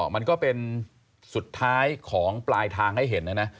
มันก็เป็นสุดท้ายของปลายทางให้เห็นนะนะ